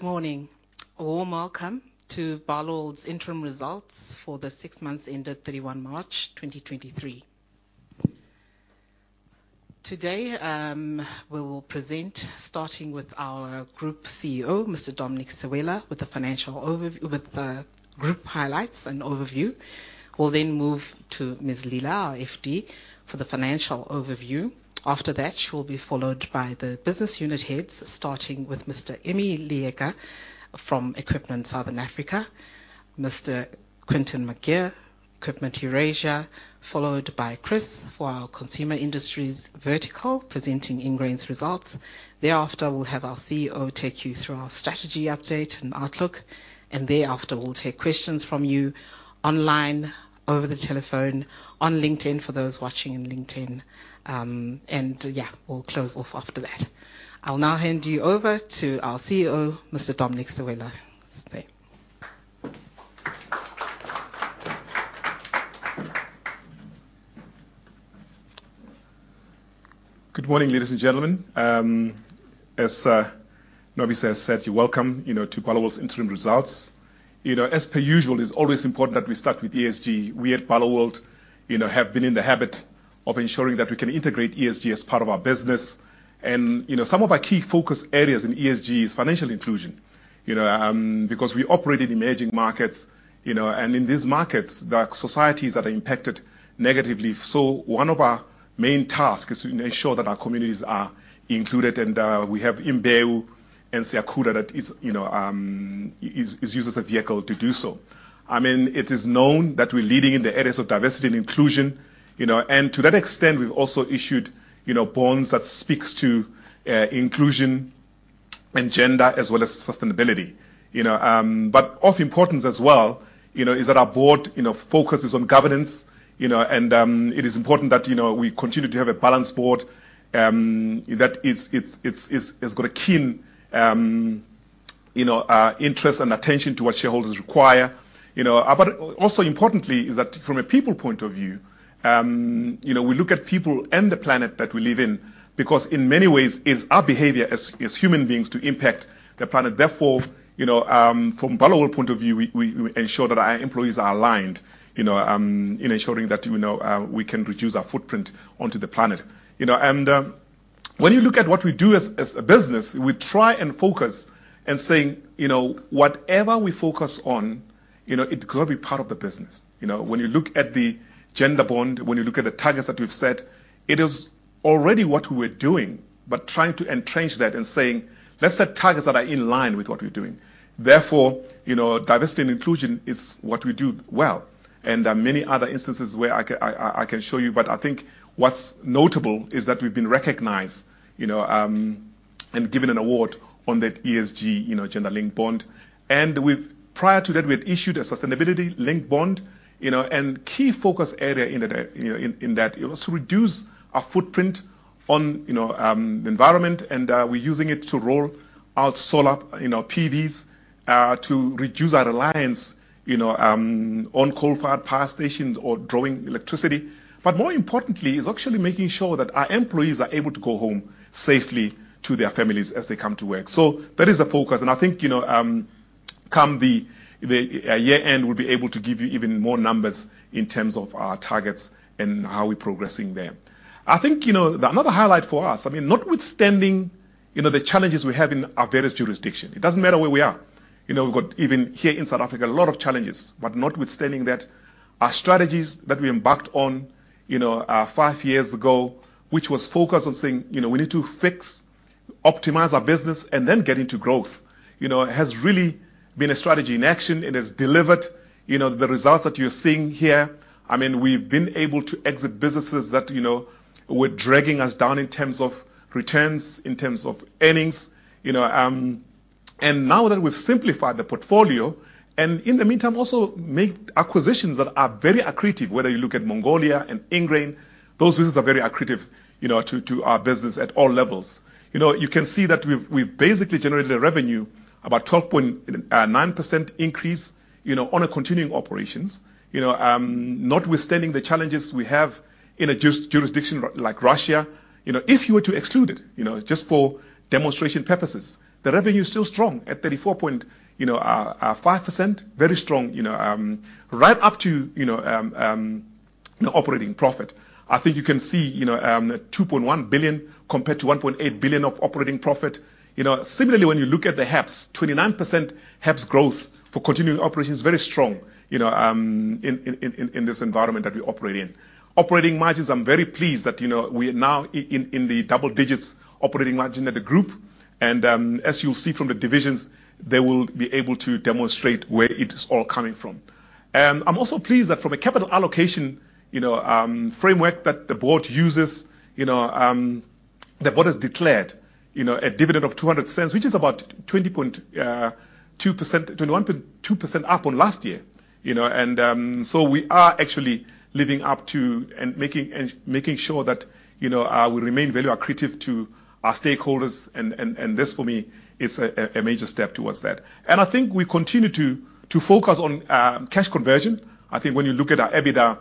Good morning. A warm welcome to Barloworld's interim results for the 6 months ended 31 March 2023. Today, we will present starting with our group CEO, Mr. Dominic Sewela, with the group highlights and overview. We'll move to Ms. Leila, our FD, for the financial overview. After that, she will be followed by the business unit heads, starting with Mr. Emmy Leeka from Equipment southern Africa, Mr. Quinton McGeer, Equipment Eurasia, followed by Chris for our Consumer Industries vertical, presenting Ingrain's results. Thereafter, we'll have our CEO take you through our strategy update and outlook. Thereafter, we'll take questions from you online, over the telephone, on LinkedIn, for those watching in LinkedIn. Yeah, we'll close off after that. I'll now hand you over to our CEO, Mr. Dominic Sewela. Stay. Good morning, ladies and gentlemen. As Nobisa has said, welcome, you know, to Barloworld's interim results. You know, as per usual, it's always important that we start with ESG. We at Barloworld, you know, have been in the habit of ensuring that we can integrate ESG as part of our business. You know, some of our key focus areas in ESG is financial inclusion. Because we operate in emerging markets, you know, and in these markets, there are societies that are impacted negatively. One of our main tasks is to ensure that our communities are included, and we have Mbewu and Siyakhula that is, you know, is used as a vehicle to do so. I mean, it is known that we're leading in the areas of diversity and inclusion, you know. To that extent, we've also issued, you know, bonds that speaks to inclusion and gender as well as sustainability, you know. Of importance as well, you know, is that our board, you know, focuses on governance, you know. It is important that, you know, we continue to have a balanced board that is got a keen, you know, interest and attention to what shareholders require, you know. Also importantly is that from a people point of view, you know, we look at people and the planet that we live in, because in many ways it's our behavior as human beings to impact the planet. Therefore, you know, from Barloworld point of view, we ensure that our employees are aligned, you know, in ensuring that, you know, we can reduce our footprint onto the planet. You know, when you look at what we do as a business, we try and focus and saying, you know, whatever we focus on, you know, it's got to be part of the business. You know, when you look at the gender-linked bond, when you look at the targets that we've set, it is already what we're doing, but trying to entrench that and saying, "Let's set targets that are in line with what we're doing." You know, diversity and inclusion is what we do well, and there are many other instances where I can show you, but I think what's notable is that we've been recognized, you know, and given an award on that ESG, you know, gender-linked bond. Prior to that, we had issued a sustainability-linked bond, you know. Key focus area in the, you know, in that it was to reduce our footprint on, you know, the environment, and we're using it to roll out solar, you know, PVs to reduce our reliance, you know, on coal-fired power stations or drawing electricity. More importantly is actually making sure that our employees are able to go home safely to their families as they come to work. That is a focus, and I think, you know, come the year-end, we'll be able to give you even more numbers in terms of our targets and how we're progressing there. I think, you know, another highlight for us, I mean, notwithstanding, you know, the challenges we have in our various jurisdiction, it doesn't matter where we are. You know, we've got, even here in South Africa, a lot of challenges. Notwithstanding that, our strategies that we embarked on, you know, five years ago, which was focused on saying, you know, we need to fix, optimize our business, and then get into growth. You know, it has really been a strategy in action. It has delivered, you know, the results that you're seeing here. I mean, we've been able to exit businesses that, you know, were dragging us down in terms of returns, in terms of earnings, you know. Now that we've simplified the portfolio, and in the meantime also make acquisitions that are very accretive, whether you look at Mongolia and Ingrain, those businesses are very accretive, you know, to our business at all levels. You know, you can see that we've basically generated a revenue about 12.9% increase, you know, on a continuing operations. You know, notwithstanding the challenges we have in a jurisdiction like Russia, you know, if you were to exclude it, you know, just for demonstration purposes, the revenue is still strong at 34.5%. Very strong, you know, right up to, you know, operating profit. I think you can see, you know, 2.1 billion compared to 1.8 billion of operating profit. You know, similarly, when you look at the HEPS, 29% HEPS growth for continuing operations, very strong, you know, in this environment that we operate in. Operating margins, I'm very pleased that, you know, we are now in the double digits operating margin at the group. As you'll see from the divisions, they will be able to demonstrate where it is all coming from. I'm also pleased that from a capital allocation, you know, framework that the board uses, you know, the board has declared, you know, a dividend of 2.00, which is about 20.2%, 21.2% up on last year. You know, we are actually living up to making sure that, you know, we remain very accretive to our stakeholders and this for me is a major step towards that. I think we continue to focus on cash conversion. I think when you look at our EBITDA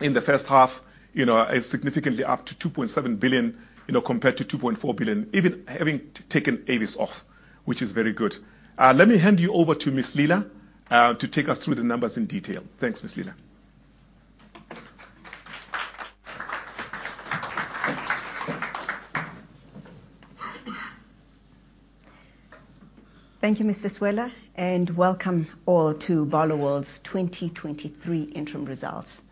in the first half, you know, a significantly up to 2.7 billion, you know, compared to 2.4 billion, even having taken Avis off, which is very good. Let me hand you over to Ms. Leela to take us through the numbers in detail. Thanks, Ms. Leela. Thank you, Mr. Sewela, welcome all to Barloworld's 2023 interim results.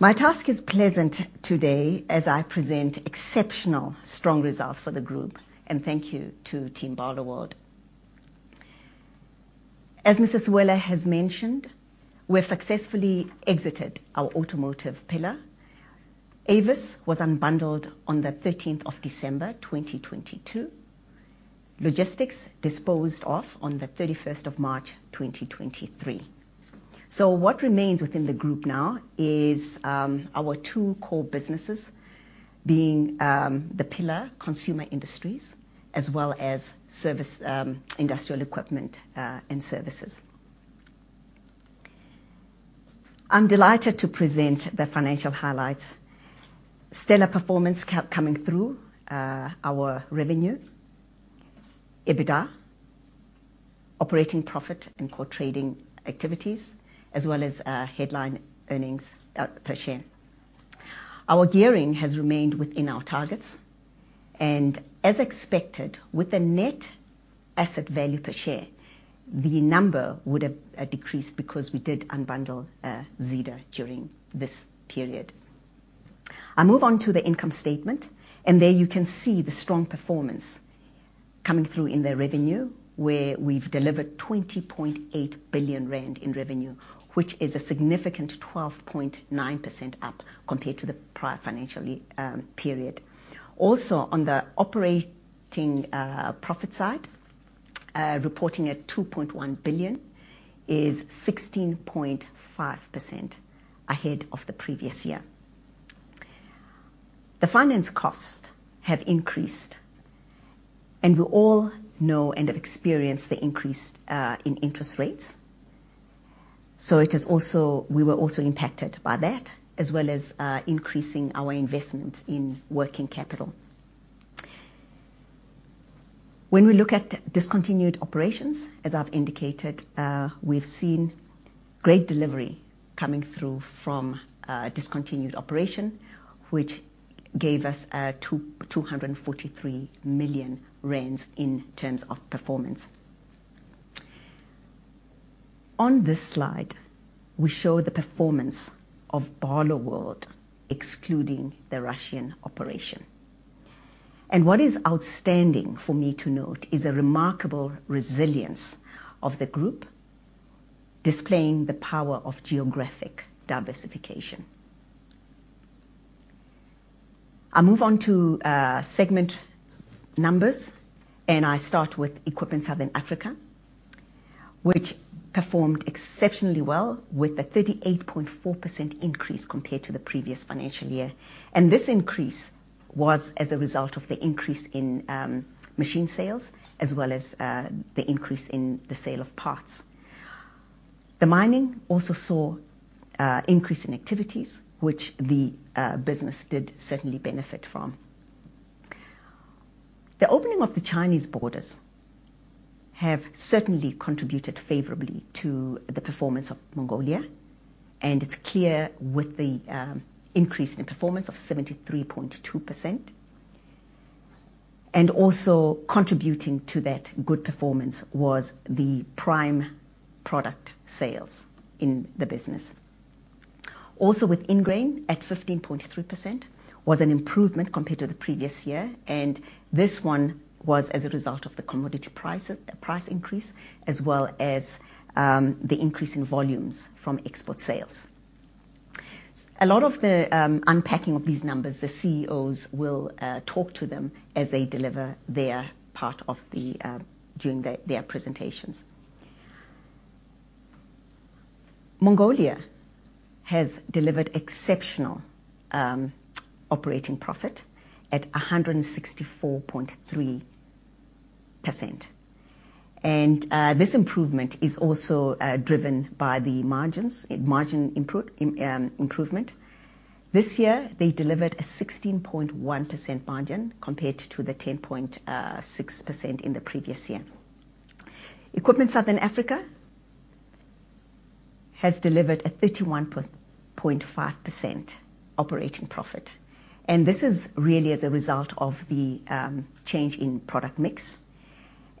My task is pleasant today as I present exceptional strong results for the group, thank you to Team Barloworld. As Mr. Sewela has mentioned, we have successfully exited our automotive pillar. Avis was unbundled on the 13th of December, 2022. Logistics disposed of on the 31st of March, 2023. What remains within the group now is our two core businesses being the pillar Consumer Industries as well as Industrial Equipment and Services. I'm delighted to present the financial highlights. Stellar performance coming through our revenue, EBITDA, operating profit and core trading activities, as well as headline earnings per share. Our gearing has remained within our targets, and as expected, with the net asset value per share, the number would have decreased because we did unbundle Zeda during this period. I move on to the income statement, and there you can see the strong performance coming through in the revenue, where we've delivered 20.8 billion rand in revenue, which is a significant 12.9% up compared to the prior financially period. On the operating profit side, reporting at 2.1 billion is 16.5% ahead of the previous year. The finance costs have increased, and we all know and have experienced the increase in interest rates. We were also impacted by that as well as increasing our investment in working capital. When we look at discontinued operations, as I've indicated, we've seen great delivery coming through from discontinued operation, which gave us 243 million rand in terms of performance. On this slide, we show the performance of Barloworld, excluding the Russian operation. What is outstanding for me to note is a remarkable resilience of the group displaying the power of geographic diversification. I move on to segment numbers, and I start with Equipment Southern Africa, which performed exceptionally well with a 38.4% increase compared to the previous financial year. This increase was as a result of the increase in machine sales, as well as the increase in the sale of parts. The mining also saw increase in activities which the business did certainly benefit from. The opening of the Chinese borders have certainly contributed favorably to the performance of Mongolia, and it's clear with the increase in performance of 73.2%. Also contributing to that good performance was the prime product sales in the business. Also with Ingrain, at 15.3%, was an improvement compared to the previous year, and this one was as a result of the commodity price increase, as well as the increase in volumes from export sales. A lot of the unpacking of these numbers, the CEOs will talk to them as they deliver their part of their presentations. Mongolia has delivered exceptional operating profit at 164.3%. This improvement is also driven by the margins, margin improvement. This year, they delivered a 16.1% margin compared to the 10.6% in the previous year. Equipment southern Africa has delivered a 31.5% operating profit, and this is really as a result of the change in product mix.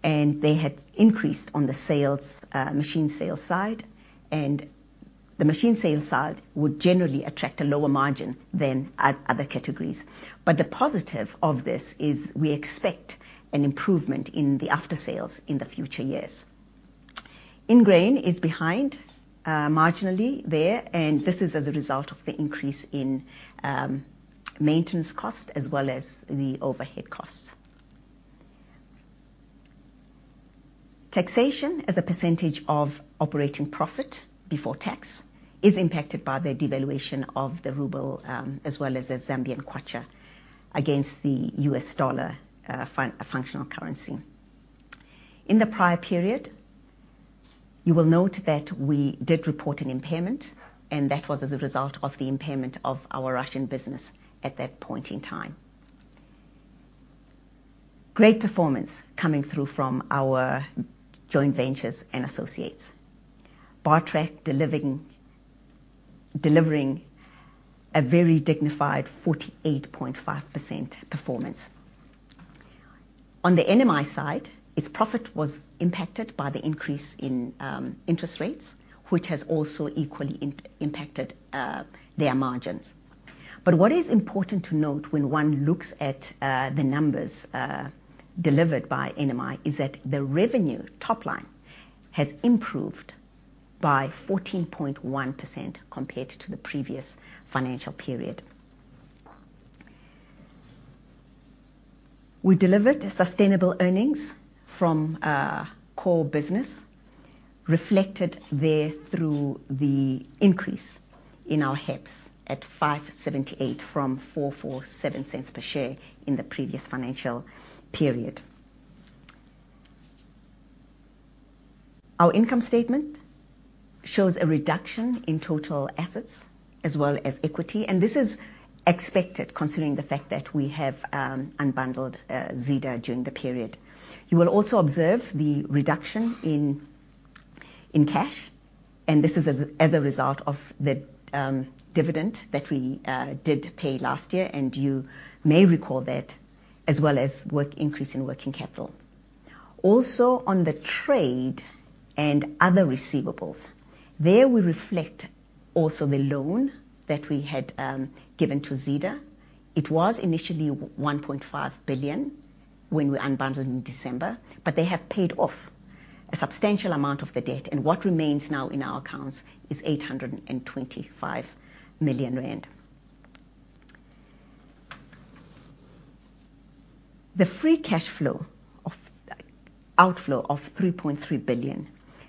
They had increased on the sales, machine sales side. The machine sales side would generally attract a lower margin than other categories. The positive of this is we expect an improvement in the after-sales in the future years. Ingrain is behind, marginally there, and this is as a result of the increase in maintenance cost as well as the overhead costs. Taxation as a percentage of operating profit before tax is impacted by the devaluation of the ruble, as well as the Zambian kwacha against the US dollar functional currency. In the prior period, you will note that we did report an impairment. That was as a result of the impairment of our Russian business at that point in time. Great performance coming through from our joint ventures and associates. Bartrac delivering a very dignified 48.5% performance. On the NMI side, its profit was impacted by the increase in interest rates, which has also equally impacted their margins. What is important to note when one looks at the numbers delivered by NMI is that the revenue top line has improved by 14.1% compared to the previous financial period. We delivered sustainable earnings from our core business, reflected there through the increase in our HEPS at 5.78 from 4.47 per share in the previous financial period. Our income statement shows a reduction in total assets as well as equity, and this is expected considering the fact that we have unbundled Zeda during the period. You will also observe the reduction in cash, and this is as a result of the dividend that we did pay last year, and you may recall that as well as work increase in working capital. Also on the trade and other receivables. There we reflect also the loan that we had given to Zeda. It was initially 1.5 billion when we unbundled in December, but they have paid off a substantial amount of the debt, and what remains now in our accounts is 825 million rand. The free cash flow outflow of 3.3 billion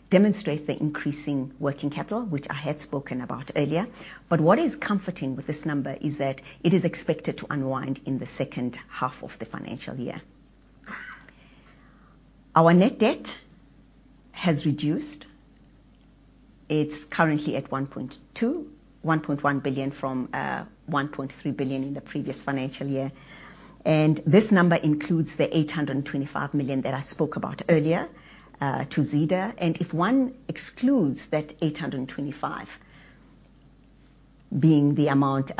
demonstrates the increasing working capital which I had spoken about earlier. What is comforting with this number is that it is expected to unwind in the second half of the financial year. Our net debt has reduced. It's currently at 1.1 billion from 1.3 billion in the previous financial year. This number includes the 825 million that I spoke about earlier to Zeda. If one excludes that 825 being the amount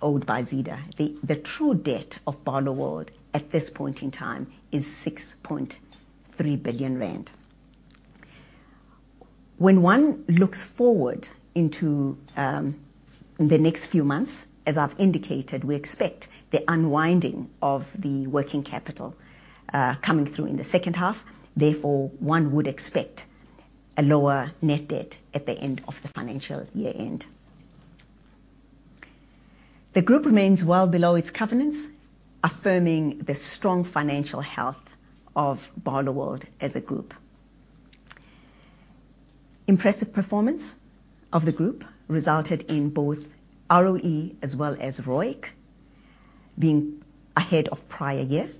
owed by Zeda, the true debt of Barloworld at this point in time is 6.3 billion rand. When one looks forward into the next few months, as I've indicated, we expect the unwinding of the working capital coming through in the second half. Therefore, one would expect a lower net debt at the end of the financial year-end. The group remains well below its covenants, affirming the strong financial health of Barloworld as a group. Impressive performance of the group resulted in both ROE as well as ROIC being ahead of prior year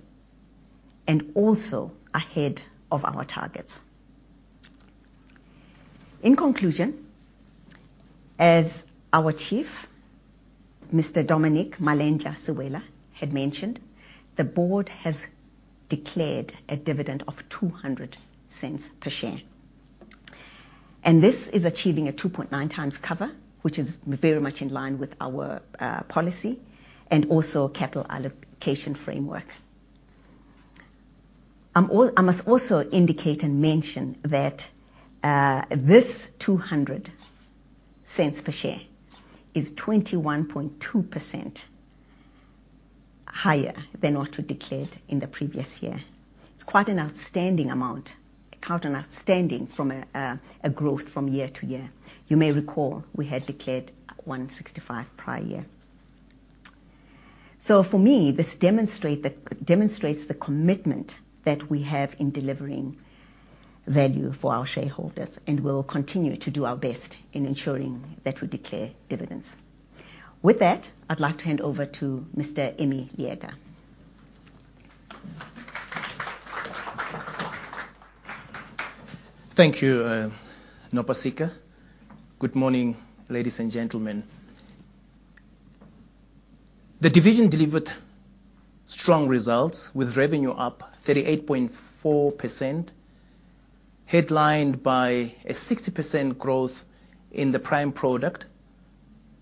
and also ahead of our targets. In conclusion, as our chief, Mr. Dominic Malentsha Sewela, had mentioned, the board has declared a dividend of 2.00 per share. This is achieving a 2.9 times cover, which is very much in line with our policy and capital allocation framework. I must also indicate and mention that this 2.00 per share is 21.2% higher than what we declared in the previous year. It's quite an outstanding amount. Quite an outstanding from a growth year-to-year. You may recall we had declared 1.65 prior year. For me, this demonstrates the commitment that we have in delivering value for our shareholders, and we'll continue to do our best in ensuring that we declare dividends. With that, I'd like to hand over to Mr. Emmy Leeka. Thank you, Nopasika. Good morning, ladies and gentlemen. The division delivered strong results with revenue up 38.4%, headlined by a 60% growth in the prime product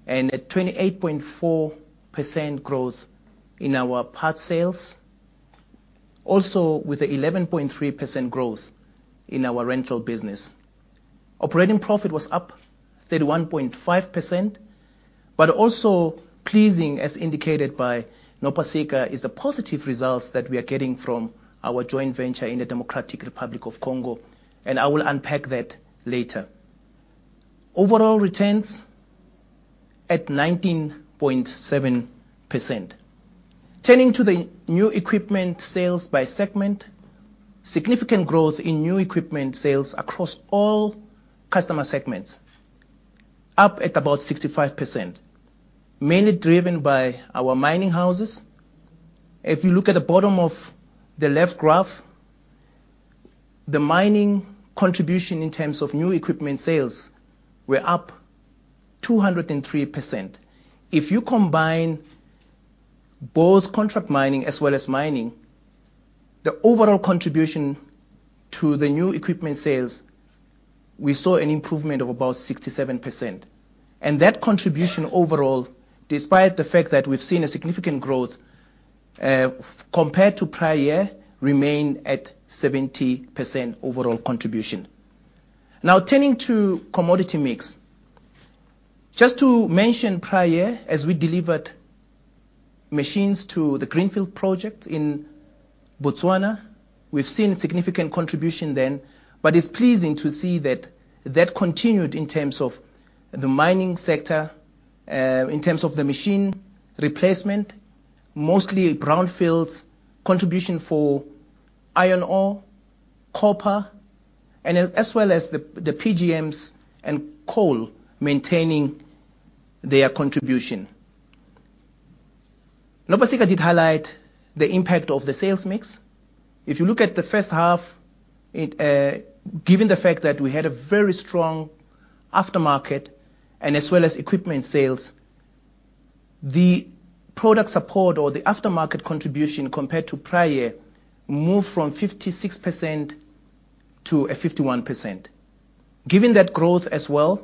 and a 28.4% growth in our parts sales. Also with a 11.3% growth in our rental business. Operating profit was up 31.5%, but also pleasing, as indicated by Nopasika, is the positive results that we are getting from our joint venture in the Democratic Republic of Congo, and I will unpack that later. Overall returns at 19.7%. Turning to the new equipment sales by segment, significant growth in new equipment sales across all customer segments. Up at about 65%, mainly driven by our mining houses. If you look at the bottom of the left graph, the mining contribution in terms of new equipment sales were up 203%. If you combine both contract mining as well as mining, the overall contribution to the new equipment sales, we saw an improvement of about 67%. That contribution overall, despite the fact that we've seen a significant growth compared to prior year, remain at 70% overall contribution. Now turning to commodity mix. Just to mention prior, as we delivered machines to the Greenfield project in Botswana, we've seen significant contribution then, but it's pleasing to see that that continued in terms of the mining sector, in terms of the machine replacement, mostly brownfields contribution for iron ore, copper, and as well as the PGMs and coal maintaining their contribution. Nopasika did highlight the impact of the sales mix. If you look at the first half, given the fact that we had a very strong aftermarket and as well as equipment sales, the product support or the aftermarket contribution compared to prior year moved from 56% to a 51%. Given that growth as well...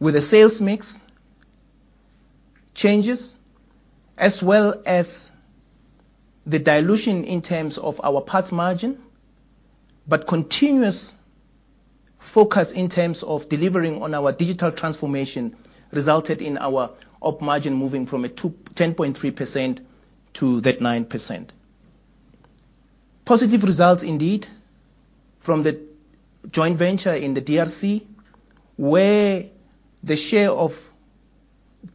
With the sales mix changes as well as the dilution in terms of our parts margin, but continuous focus in terms of delivering on our digital transformation resulted in our op margin moving from 10.3% to that 9%. Positive results indeed from the joint venture in the DRC, where the share of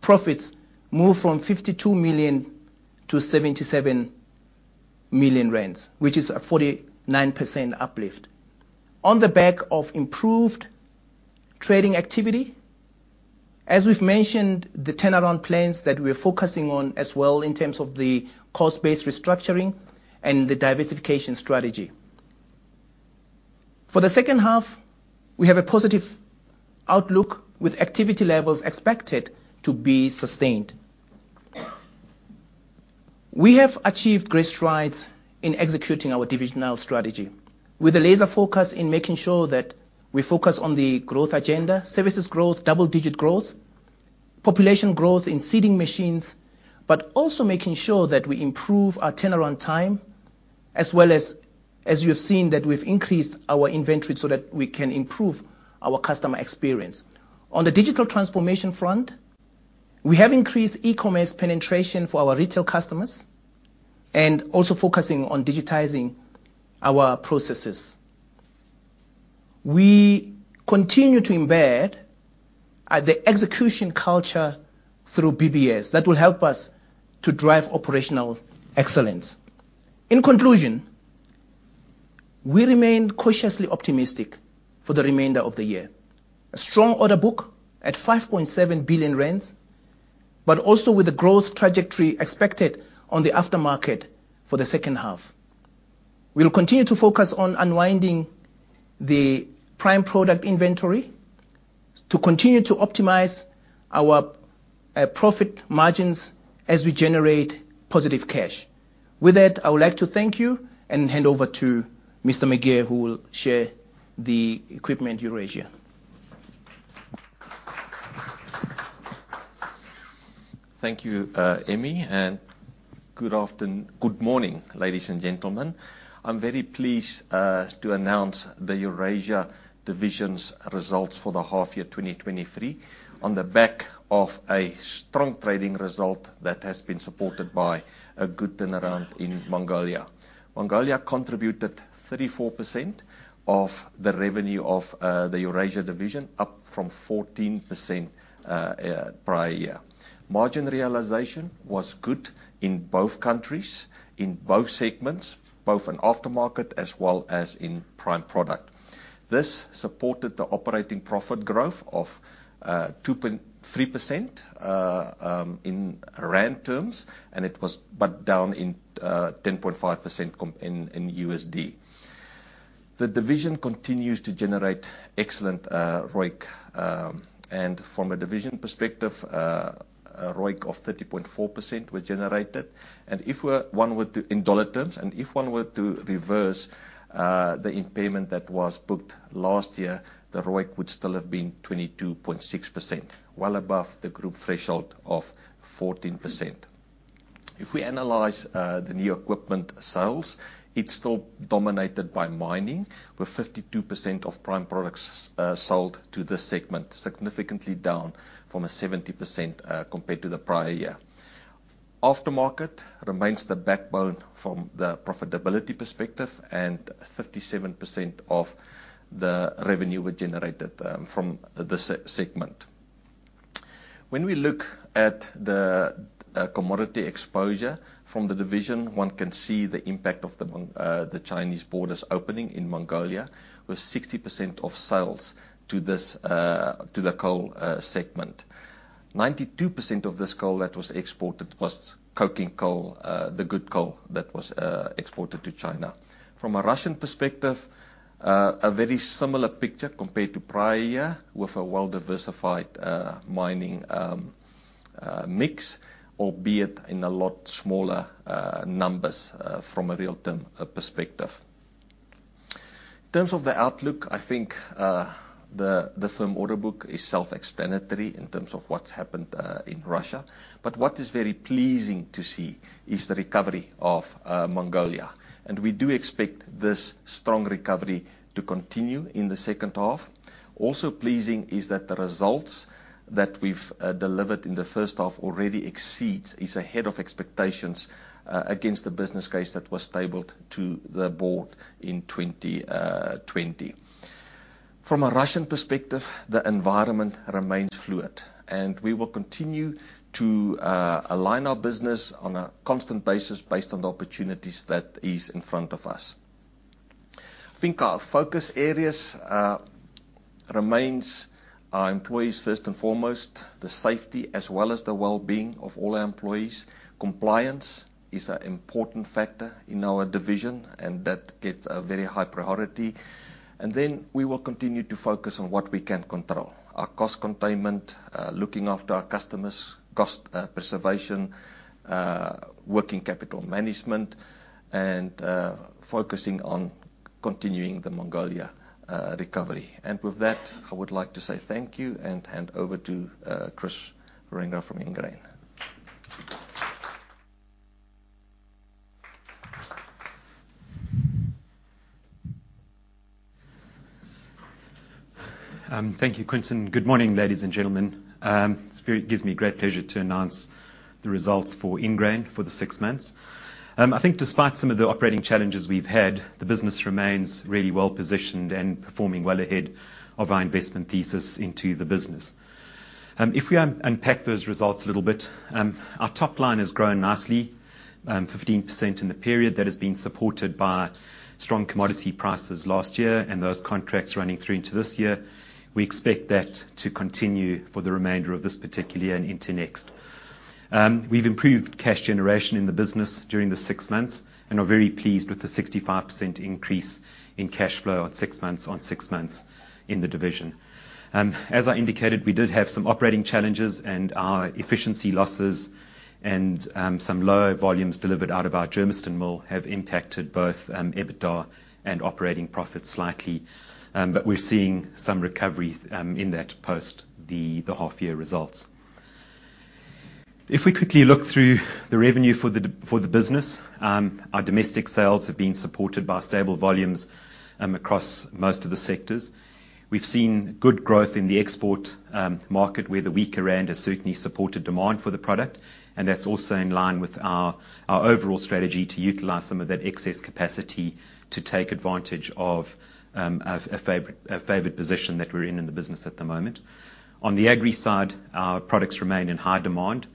profits moved from 52 million to 77 million rand, which is a 49% uplift. On the back of improved trading activity, as we've mentioned, the turnaround plans that we're focusing on as well in terms of the cost-based restructuring and the diversification strategy. For the second half, we have a positive outlook with activity levels expected to be sustained. We have achieved great strides in executing our divisional strategy with a laser focus in making sure that we focus on the growth agenda, services growth, double-digit growth, population growth in seeding machines, but also making sure that we improve our turnaround time as well as you have seen, that we've increased our inventory so that we can improve our customer experience. On the digital transformation front, we have increased e-commerce penetration for our retail customers and also focusing on digitizing our processes. We continue to embed the execution culture through BBS that will help us to drive operational excellence. In conclusion, we remain cautiously optimistic for the remainder of the year. A strong order book at 5.7 billion rand, but also with the growth trajectory expected on the aftermarket for the second half. We'll continue to focus on unwinding the prime product inventory to continue to optimize our profit margins as we generate positive cash. With that, I would like to thank you and hand over to Mr. McGeer who will share the Equipment Eurasia. Thank you, Emmy, and good morning, ladies and gentlemen. I'm very pleased to announce the Eurasia division's results for the half-year 2023 on the back of a strong trading result that has been supported by a good turnaround in Mongolia. Mongolia contributed 34% of the revenue of the Eurasia division, up from 14% prior year. Margin realization was good in both countries, in both segments, both in aftermarket as well as in prime product. This supported the operating profit growth of 2.3% in ZAR terms, and it was back down in 10.5% in USD. The division continues to generate excellent ROIC. And from a division perspective, a ROIC of 30.4% was generated. In dollar terms, if one were to reverse the impairment that was booked last year, the ROIC would still have been 22.6%, well above the group threshold of 14%. If we analyze the new equipment sales, it's still dominated by mining, with 52% of prime products sold to this segment, significantly down from a 70% compared to the prior year. Aftermarket remains the backbone from the profitability perspective. 57% of the revenue were generated from the segment. We look at the commodity exposure from the division, one can see the impact of the Chinese borders opening in Mongolia, with 60% of sales to this to the coal segment. 92% of this coal that was exported was coking coal, the good coal that was exported to China. From a Russian perspective, a very similar picture compared to prior year, with a well-diversified mining mix, albeit in a lot smaller numbers from a real term perspective. In terms of the outlook, I think, the firm order book is self-explanatory in terms of what's happened in Russia. What is very pleasing to see is the recovery of Mongolia. We do expect this strong recovery to continue in the second half. Also pleasing is that the results that we've delivered in the first half already exceeds, is ahead of expectations against the business case that was tabled to the board in 2020. From a Russian perspective, the environment remains fluid, and we will continue to align our business on a constant basis based on the opportunities that is in front of us. I think our focus areas remains our employees first and foremost, the safety as well as the wellbeing of all our employees. Compliance is an important factor in our division, and that gets a very high priority. We will continue to focus on what we can control. Our cost containment, looking after our customers, cost preservation, working capital management and focusing on continuing the Mongolia recovery. With that, I would like to say thank you and hand over to Chris Wierenga from Ingrain. Thank you, Quinton. Good morning, ladies and gentlemen. It gives me great pleasure to announce the results for Ingrain for the 6 months. I think despite some of the operating challenges we've had, the business remains really well-positioned and performing well ahead of our investment thesis into the business. If we un-unpack those results a little bit, our top line has grown nicely, 15% in the period. That has been supported by strong commodity prices last year and those contracts running through into this year. We expect that to continue for the remainder of this particular year and into next. We've improved cash generation in the business during the 6 months and are very pleased with the 65% increase in cash flow on 6 months on 6 months in the division. As I indicated, we did have some operating challenges and our efficiency losses and some lower volumes delivered out of our Germiston mill have impacted both EBITDA and operating profits slightly. We're seeing some recovery in that post the half year results. If we quickly look through the revenue for the business, our domestic sales have been supported by stable volumes across most of the sectors. We've seen good growth in the export market where the weaker rand has certainly supported demand for the product, and that's also in line with our overall strategy to utilize some of that excess capacity to take advantage of a favored position that we're in in the business at the moment. On the agri side, our products remain in high demand,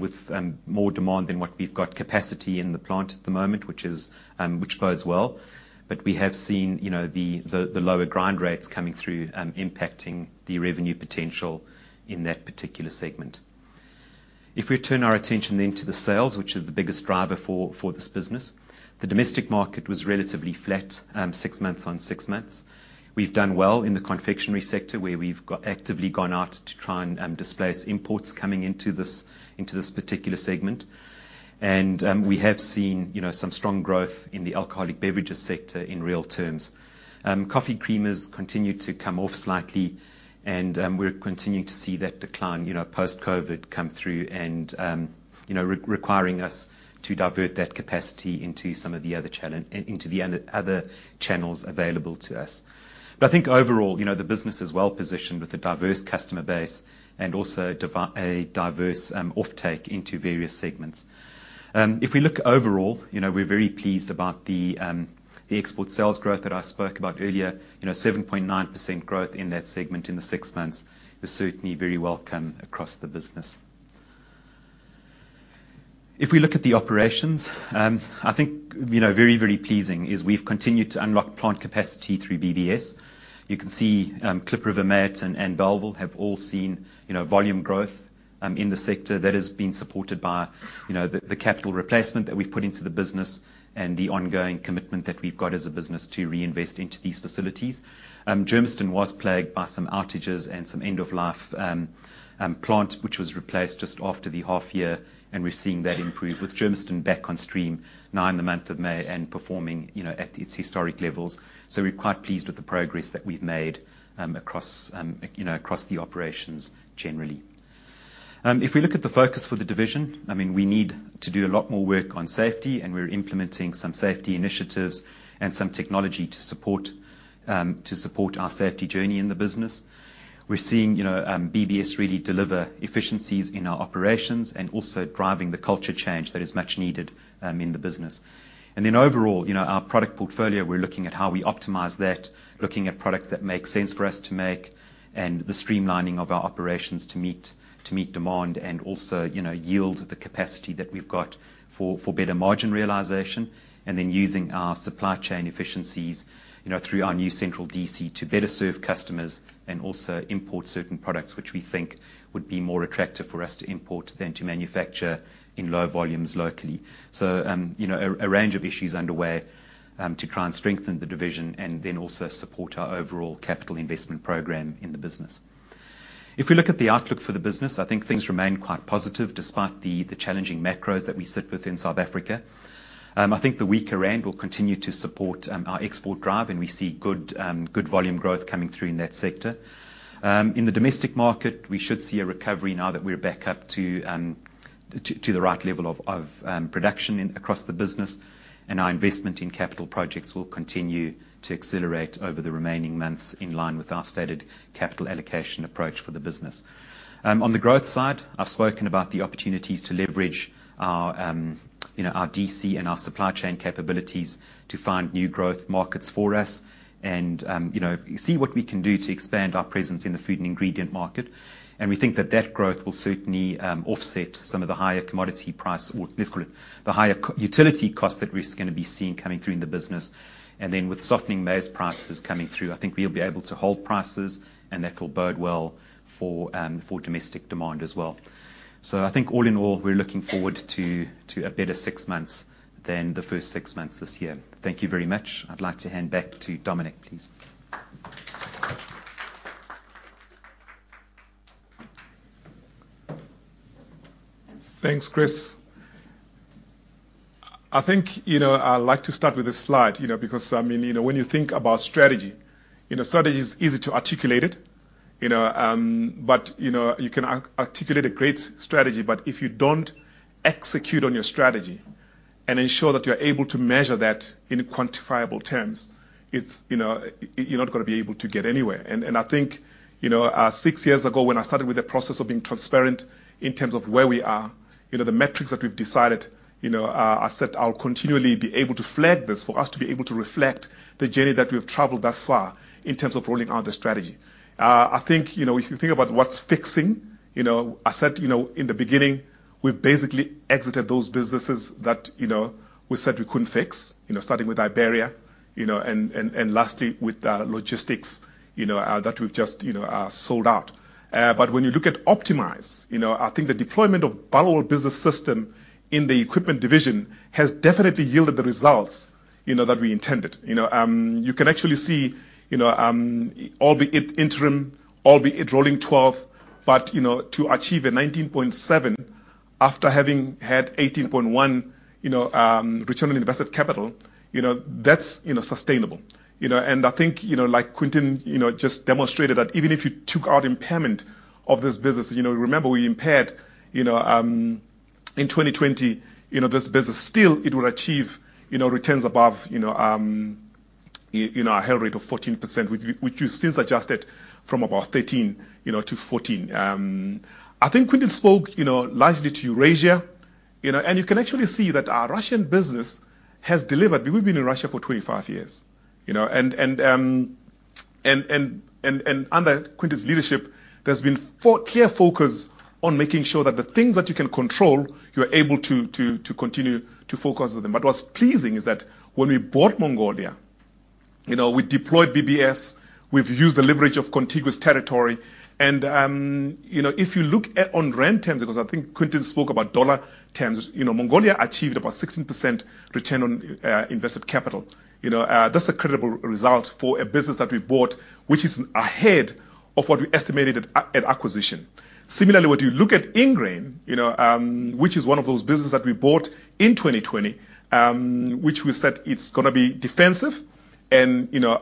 with more demand than what we've got capacity in the plant at the moment, which bodes well. We have seen, you know, the lower grind rates coming through, impacting the revenue potential in that particular segment. If we turn our attention then to the sales, which are the biggest driver for this business, the domestic market was relatively flat, 6 months on 6 months. We've done well in the confectionery sector, where we've got actively gone out to try and displace imports coming into this particular segment. We have seen, you know, some strong growth in the alcoholic beverages sector in real terms. Coffee creamers continue to come off slightly, and we're continuing to see that decline, you know, post-COVID come through and you know, requiring us to divert that capacity into some of the other into the other channels available to us. I think overall, you know, the business is well-positioned with a diverse customer base and also a diverse offtake into various segments. If we look overall, you know, we're very pleased about the export sales growth that I spoke about earlier. You know, 7.9% growth in that segment in the six months is certainly very welcome across the business. If we look at the operations, I think, you know, very pleasing is we've continued to unlock plant capacity through BBS. You can see, Kliprivier, Mat and Vaalville have all seen, you know, volume growth in the sector. That has been supported by, you know, the capital replacement that we've put into the business and the ongoing commitment that we've got as a business to reinvest into these facilities. Germiston was plagued by some outages and some end-of-life plant, which was replaced just after the half year, and we're seeing that improve with Germiston back on stream now in the month of May and performing, you know, at its historic levels. We're quite pleased with the progress that we've made, across, you know, across the operations generally. If we look at the focus for the division, I mean, we need to do a lot more work on safety, and we're implementing some safety initiatives and some technology to support to support our safety journey in the business. We're seeing, you know, BBS really deliver efficiencies in our operations and also driving the culture change that is much needed in the business. Overall, you know, our product portfolio, we're looking at how we optimize that, looking at products that make sense for us to make, and the streamlining of our operations to meet demand and also, you know, yield the capacity that we've got for better margin realization, and then using our supply chain efficiencies, you know, through our new central DC to better serve customers and also import certain products which we think would be more attractive for us to import than to manufacture in low volumes locally. A range of issues underway to try and strengthen the division and then also support our overall capital investment program in the business. If we look at the outlook for the business, I think things remain quite positive despite the challenging macros that we sit with in South Africa. I think the weaker rand will continue to support our export drive, and we see good volume growth coming through in that sector. In the domestic market, we should see a recovery now that we're back up to the right level of production across the business, and our investment in capital projects will continue to accelerate over the remaining months in line with our stated capital allocation approach for the business. On the growth side, I've spoken about the opportunities to leverage our, you know, our DC and our supply chain capabilities to find new growth markets for us and, you know, see what we can do to expand our presence in the food and ingredient market. We think that that growth will certainly offset some of the higher commodity price or let's call it the higher utility costs that we're just gonna be seeing coming through in the business. With softening maize prices coming through, I think we'll be able to hold prices and that will bode well for domestic demand as well. I think all in all, we're looking forward to a better 6 months than the first 6 months this year. Thank you very much. I'd like to hand back to Dominic, please. Thanks, Chris. I think, you know, I'd like to start with a slide, you know, because, I mean, you know, when you think about strategy, you know, strategy is easy to articulate it, you know, but, you know, you can articulate a great strategy, but if you don't execute on your strategy and ensure that you're able to measure that in quantifiable terms, it's, you know, you're not gonna be able to get anywhere. I think, you know, six years ago, when I started with the process of being transparent in terms of where we are, you know, the metrics that we've decided, you know, are set, I'll continually be able to flag this for us to be able to reflect the journey that we've traveled thus far in terms of rolling out the strategy. I think, you know, if you think about what's fixing, you know, I said, you know, in the beginning, we've basically exited those businesses that, you know, we said we couldn't fix, you know, starting with Iberia, you know, and lastly with logistics, you know, that we've just, you know, sold out. When you look at optimize, you know, I think the deployment of Barloworld Business System in the equipment division has definitely yielded the results, you know, that we intended. You know, you can actually see, you know, albeit it interim, albeit rolling twelve, but, you know, to achieve a 19.7% after having had 18.1%, you know, return on invested capital, you know, that's, you know, sustainable. I think, like Quinton just demonstrated that even if you took out impairment of this business, remember we impaired in 2020, this business still it will achieve returns above a high rate of 14%, which we, which we've since adjusted from about 13 to 14. I think Quinton spoke largely to Eurasia, you can actually see that our Russian business has delivered. We've been in Russia for 25 years. Under Quinton's leadership, there's been clear focus on making sure that the things that you can control, you're able to continue to focus on them. What's pleasing is that when we bought Mongolia, you know, we deployed BBS, we've used the leverage of contiguous territory, and, you know, if you look at on ZAR terms, because I think Quinton spoke about USD terms, you know, Mongolia achieved about 16% return on invested capital. You know, that's a credible result for a business that we bought, which is ahead of what we estimated at acquisition. Similarly, when you look at Ingrain, you know, which is one of those businesses that we bought in 2020, which we said it's gonna be defensive and, you know,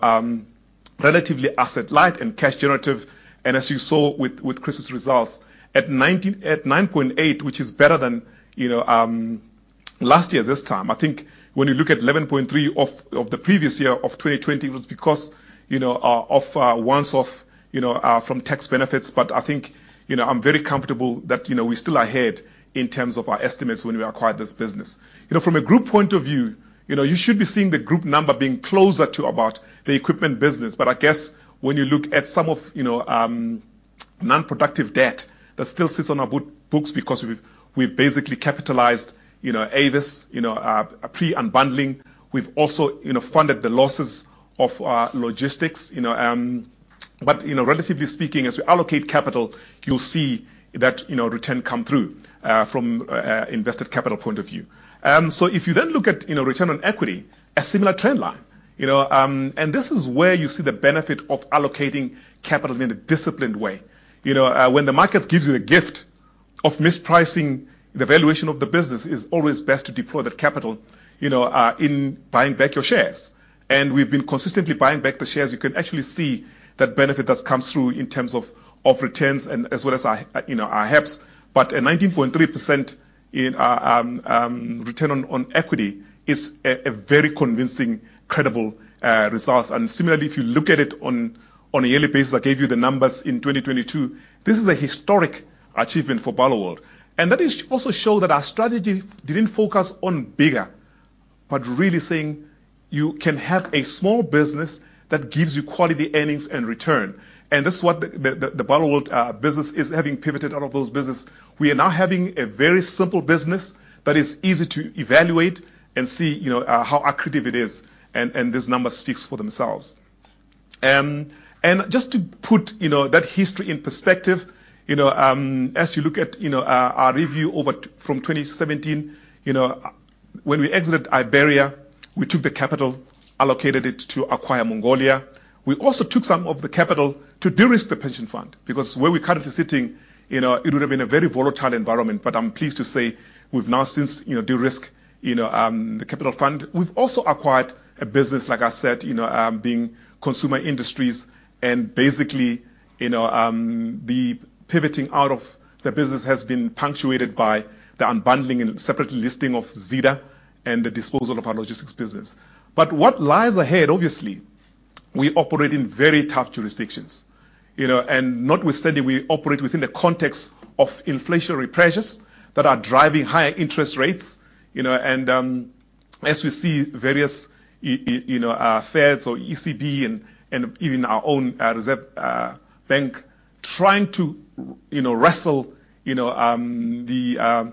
relatively asset light and cash generative, and as you saw with Chris' results, at 9.8%, which is better than, you know, last year, this time. I think when you look at 11.3% of the previous year of 2020, it was because, you know, of a once off from tax benefits. I think, you know, I'm very comfortable that, you know, we're still ahead in terms of our estimates when we acquired this business. You know, from a group point of view, you know, you should be seeing the group number being closer to about the equipment business. I guess when you look at some of non-productive debt that still sits on our books because we've basically capitalized Avis pre-unbundling. We've also funded the losses of our logistics, relatively speaking, as we allocate capital, you'll see that return come through from invested capital point of view. If you look at return on equity, a similar trend line, this is where you see the benefit of allocating capital in a disciplined way. When the market gives you the gift of mispricing the valuation of the business, it's always best to deploy that capital in buying back your shares. We've been consistently buying back the shares. You can actually see that benefit that's come through in terms of returns and as well as our, you know, our HEPS. A 19.3% in return on equity is a very convincing, credible result. Similarly, if you look at it on a yearly basis, I gave you the numbers in 2022, this is a historic achievement for Barloworld, and that is also show that our strategy didn't focus on bigger, but really saying, you can have a small business that gives you quality earnings and return. This is what the Barloworld business is. Having pivoted out of those business, we are now having a very simple business that is easy to evaluate and see, you know, how accretive it is. These numbers speaks for themselves. Just to put, you know, that history in perspective, you know, as you look at, you know, our review over from 2017, you know, when we exited Iberia, we took the capital, allocated it to acquire Mongolia. We also took some of the capital to de-risk the pension fund, because where we're currently sitting, you know, it would have been a very volatile environment. I'm pleased to say we've now since, you know, de-risked, you know, the capital fund. We've also acquired a business, like I said, you know, being Consumer Industries and basically, you know, the pivoting out of the business has been punctuated by the unbundling and separate listing of Zeda and the disposal of our logistics business. What lies ahead, obviously, we operate in very tough jurisdictions, you know, and notwithstanding, we operate within the context of inflationary pressures that are driving higher interest rates, you know. As we see various you know, Feds or ECB and even our own Reserve Bank trying to, you know, wrestle, you know, the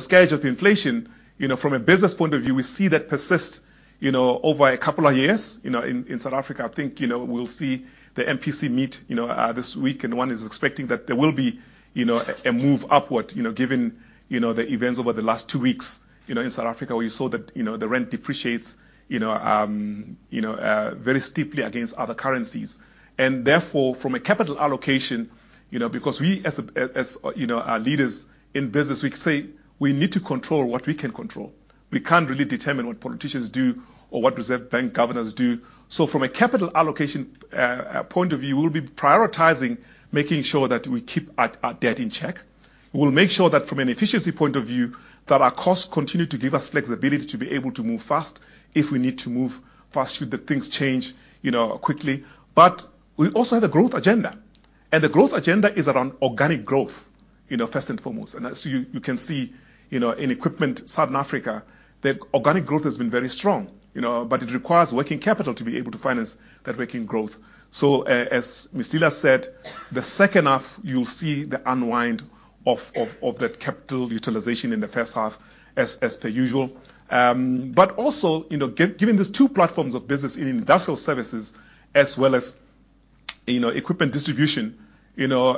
scourge of inflation, you know, from a business point of view, we see that persist, you know, over a couple of years. You know, in South Africa, I think, you know, we'll see the MPC meet, you know, this week, and one is expecting that there will be, you know, a move upward, you know, given, you know, the events over the last two weeks, you know, in South Africa, where you saw that, you know, the rand depreciates, you know, very steeply against other currencies. Therefore, from a capital allocation, you know, because we as, you know, leaders in business, we say we need to control what we can control. We can't really determine what politicians do or what reserve bank governors do. From a capital allocation point of view, we'll be prioritizing making sure that we keep our debt in check. We'll make sure that from an efficiency point of view, that our costs continue to give us flexibility to be able to move fast if we need to move fast, should the things change, you know, quickly. We also have a growth agenda, and the growth agenda is around organic growth, you know, first and foremost. As you can see, you know, in Equipment southern Africa, the organic growth has been very strong, you know, but it requires working capital to be able to finance that working growth. As Ms. Stila said, the second half, you'll see the unwind of that capital utilization in the first half as per usual. Also, you know, given these two platforms of business in industrial services as well as, you know, equipment distribution, you know,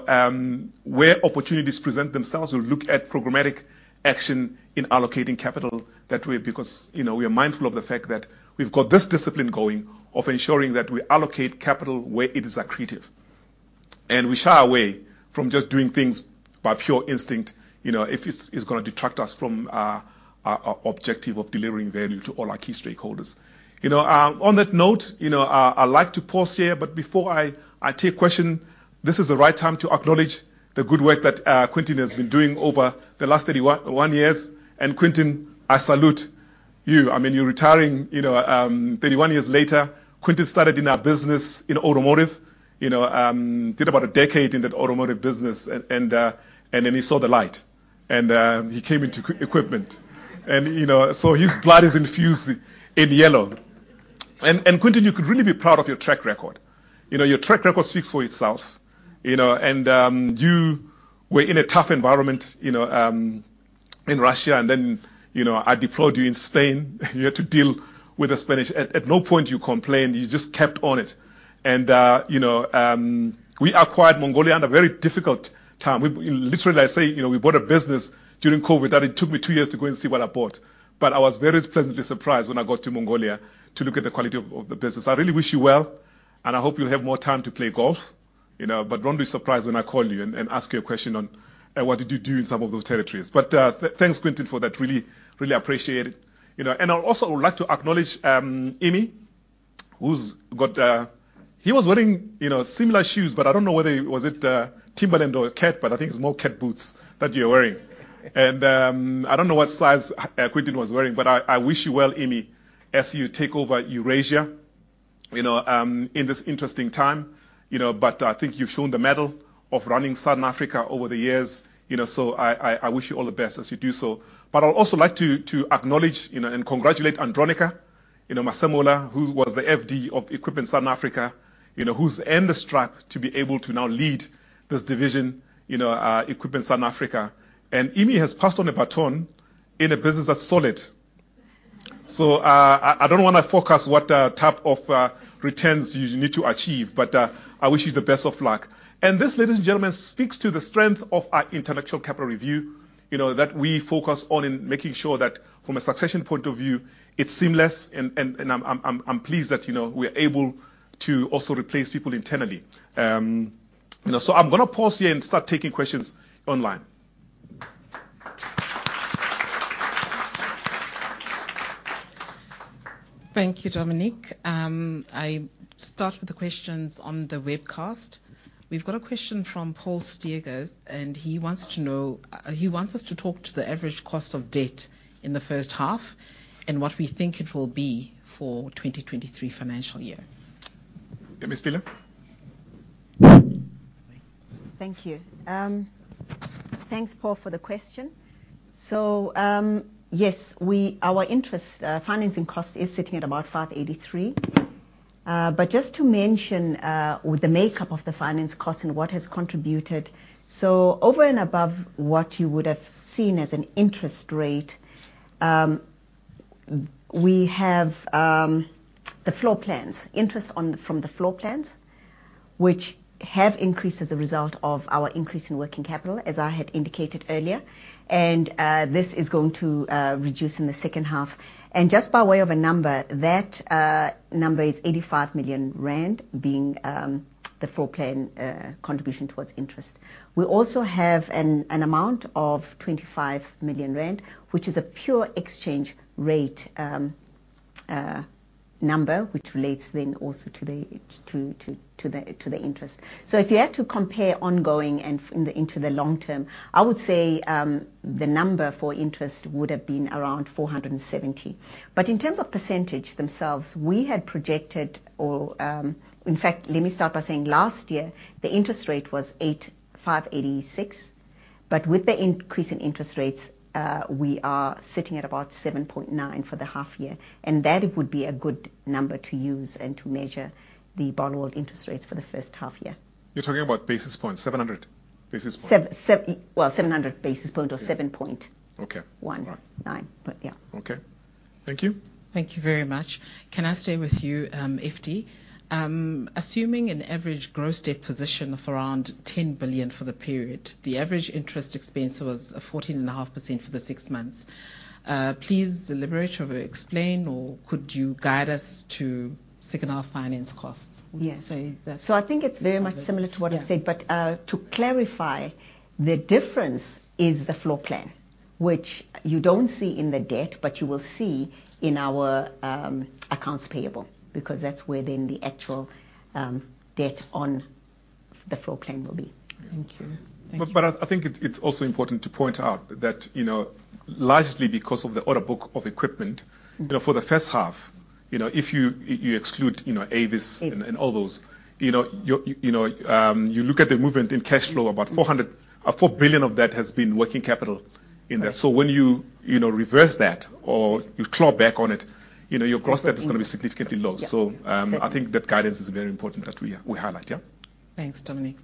where opportunities present themselves, we'll look at programmatic action in allocating capital that way, because, you know, we are mindful of the fact that we've got this discipline going of ensuring that we allocate capital where it is accretive. We shy away from just doing things by pure instinct, you know. If it's gonna detract us from our objective of delivering value to all our key stakeholders. On that note, you know, I'd like to pause here, but before I take question, this is the right time to acknowledge the good work that Quinton has been doing over the last 31 years. Quinton, I salute you. I mean, you're retiring, you know, 31 years later. Quentin started in our business in automotive, you know, did about a decade in that automotive business and then he saw the light and he came into Equipment. You know, so his blood is infused in yellow. Quentin, you could really be proud of your track record. You know, your track record speaks for itself, you know, and you were in a tough environment, you know, in Russia. You know, I deployed you in Spain. You had to deal with the Spanish. At no point you complained. You just kept on it. You know, we acquired Mongolia in a very difficult time. We literally, I say, you know, we bought a business during COVID that it took me 2 years to go and see what I bought. I was very pleasantly surprised when I got to Mongolia to look at the quality of the business. I really wish you well, and I hope you'll have more time to play golf, you know. Don't be surprised when I call you and ask you a question on what did you do in some of those territories. Thanks, Quentin, for that. Really, really appreciate it, you know. I'd also would like to acknowledge, Imi, who's got. He was wearing, you know, similar shoes, but I don't know whether it was it, Timberland or Cat, but I think it's more Cat boots that you're wearing. I don't know what size Quinton was wearing, but I wish you well, Imi, as you take over Equipment Eurasia in this interesting time. I think you've shown the mettle of running Equipment southern Africa over the years, I wish you all the best as you do so. I'd also like to acknowledge and congratulate Andronicca Masemola, who was the FD of Equipment southern Africa, who's in the strap to be able to now lead this division, Equipment southern Africa. Imi has passed on a baton in a business that's solid. I don't wanna forecast what type of returns you need to achieve, I wish you the best of luck. This, ladies and gentlemen, speaks to the strength of our intellectual capital review, you know, that we focus on in making sure that from a succession point of view, it's seamless and I'm pleased that, you know, we're able to also replace people internally. You know, I'm gonna pause here and start taking questions online. Thank you, Dominic. I start with the questions on the webcast. We've got a question from Paul Stegers, and he wants to know. He wants us to talk to the average cost of debt in the first half and what we think it will be for 2023 financial year. Yeah, Ms. Lila. Thank you. Thanks, Paul, for the question. Yes, our interest financing cost is sitting at about 583. But just to mention, with the makeup of the finance cost and what has contributed, over and above what you would have seen as an interest rate, we have the floor plans, interest on, from the floor plans, which have increased as a result of our increase in working capital, as I had indicated earlier. This is going to reduce in the second half. Just by way of a number, that number is 85 million rand being the floor plan contribution towards interest. We also have an amount of 25 million rand, which is a pure exchange rate number, which relates then also to the interest. If you had to compare ongoing and into the long term, I would say, the number for interest would have been around 470. But in terms of % themselves, we had projected or, In fact, let me start by saying last year the interest rate was 586, but with the increase in interest rates, we are sitting at about 7.9% for the half year, and that would be a good number to use and to measure the borrowed interest rates for the first half year. You're talking about basis points, 700 basis points. Well, 700 basis points. Okay. 19. Yeah. Okay. Thank you. Thank you very much. Can I stay with you, Effie? Assuming an average gross debt position of around 10 billion for the period, the average interest expense was 14.5% for the 6 months. Please elaborate or explain, or could you guide us to second half finance costs? Yes. Would you say that's- I think it's very much similar to what I said. Yeah. To clarify, the difference is the floor plan, which you don't see in the debt, but you will see in our accounts payable, because that's where then the actual debt on the floor plan will be. Thank you. Thank you. I think it's also important to point out that, you know, largely because of the order book of equipment, you know, for the first half, you know, if you exclude, you know, Avis... Mm-hmm. all those, you know, your, you know, you look at the movement in cash flow, about 400- Mm-hmm. 4 billion of that has been working capital in there. Right. When you know, reverse that or you claw back on it, you know, your gross debt. Mm-hmm. Is gonna be significantly low. Yeah. So, um- Certainly. I think that guidance is very important that we highlight. Yeah. Thanks, Dominic.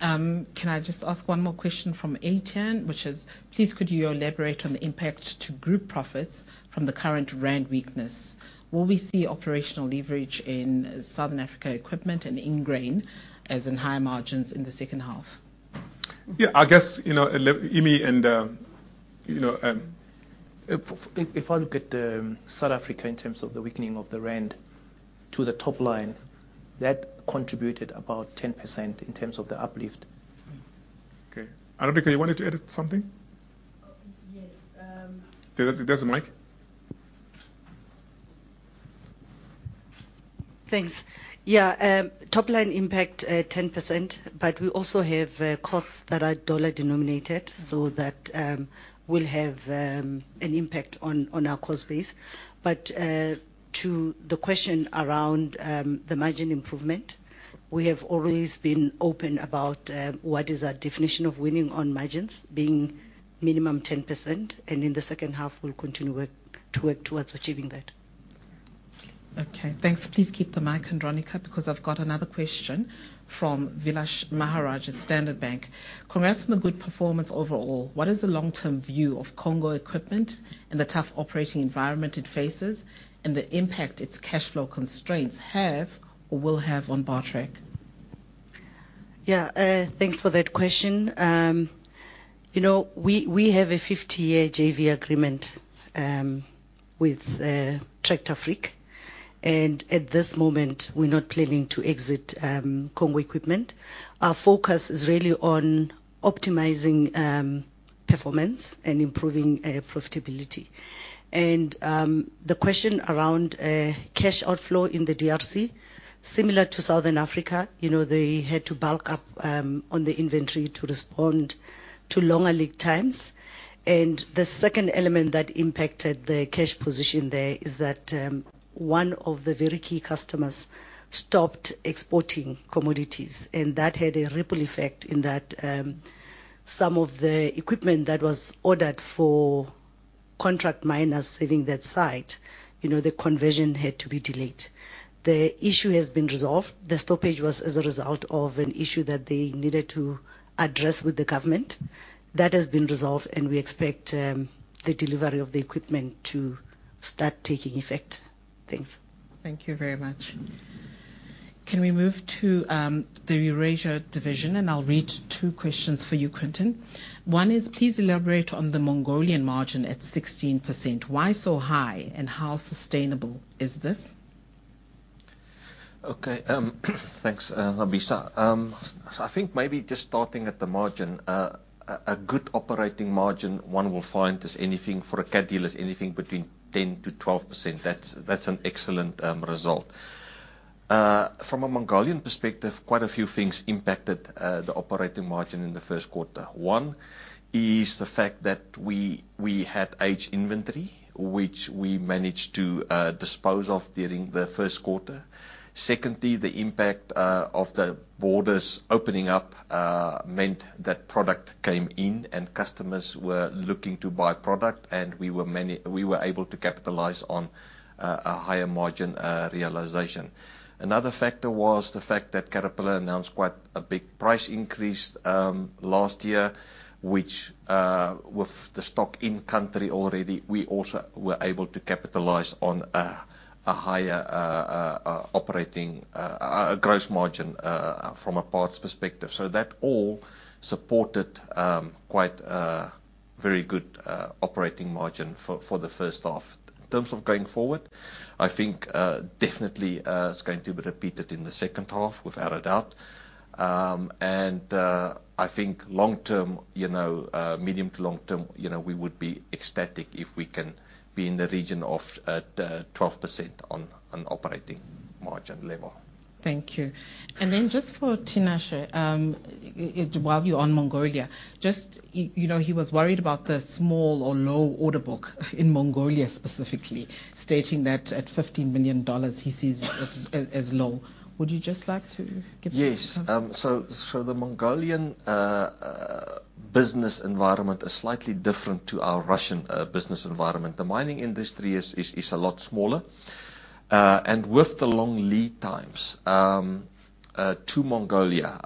Can I just ask one more question from ATAN, which is, please could you elaborate on the impact to group profits from the current rand weakness? Will we see operational leverage in Southern Africa Equipment and Ingrain, as in higher margins in the second half? Yeah, I guess, you know, Emmy and, you know. If I look at South Africa in terms of the weakening of the ZAR to the top line, that contributed about 10% in terms of the uplift. Mm-hmm. Okay. Anica, you wanted to add something? Yes. There's a mic. Thanks. Yeah. top-line impact, 10%, but we also have costs that are dollar denominated, so that will have an impact on our cost base. To the question around the margin improvement, we have always been open about what is our definition of winning on margins being minimum 10%, and in the second half, we'll continue to work towards achieving that. Okay. Thanks. Please keep the mic on, Anica, because I've got another question from Vilash Maharajh at Standard Bank. Congrats on the good performance overall. What is the long-term view of Congo Equipment and the tough operating environment it faces, and the impact its cash flow constraints have or will have on Bartrac? Yeah. Thanks for that question. You know, we have a 50-year JV agreement with Tractafric. At this moment, we're not planning to exit Congo Equipment. Our focus is really on optimizing performance and improving profitability. The question around cash outflow in the DRC, similar to Southern Africa, you know, they had to bulk up on the inventory to respond to longer lead times. The second element that impacted the cash position there is that one of the very key customers stopped exporting commodities, and that had a ripple effect in that some of the equipment that was ordered for contract miners leaving that site, you know, the conversion had to be delayed. The issue has been resolved. The stoppage was as a result of an issue that they needed to address with the government. That has been resolved. We expect the delivery of the equipment to start taking effect. Thanks. Thank you very much. Can we move to the Eurasia division? I'll read two questions for you, Quinton. One is, please elaborate on the Mongolian margin at 16%. Why so high, and how sustainable is this? Okay. Thanks, Mabisa. I think maybe just starting at the margin. A good operating margin one will find for a Cat dealer is anything between 10%-12%. That's an excellent result. From a Mongolian perspective, quite a few things impacted the operating margin in the first quarter. One is the fact that we had age inventory, which we managed to dispose of during the first quarter. Secondly, the impact of the borders opening up meant that product came in, and customers were looking to buy product, and we were able to capitalize on a higher margin realization. Another factor was the fact that Caterpillar announced quite a big price increase last year, which, with the stock in country already, we also were able to capitalize on a higher operating gross margin from a parts perspective. That all supported quite a very good operating margin for the first half. In terms of going forward, I think definitely it's going to be repeated in the second half, without a doubt. And I think long term, you know, medium to long term, you know, we would be ecstatic if we can be in the region of 12% on an operating margin level. Thank you. Just for Tinashe, while you're on Mongolia, just, you know, he was worried about the small or low order book in Mongolia specifically, stating that at $15 million, he sees it as low. Would you just like to give us? Yes. So the Mongolian business environment is slightly different to our Russian business environment. The mining industry is a lot smaller, and with the long lead times to Mongolia,